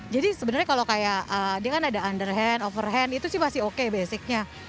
jadi sebenarnya kalau kayak dia kan ada underhand overhand itu sih masih oke basicnya